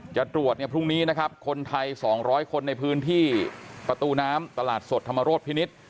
จะตรวจภุมิคนไทย๒๐๐คนในพื้นที่ประตูน้ำตลาดสดธรรมโรธพินิศ